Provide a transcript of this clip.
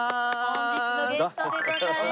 本日のゲストでございまーす。